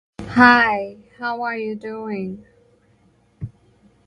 Under her superintendence the orphanage became a prosperous charitable institution.